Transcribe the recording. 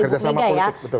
kerjasama politik betul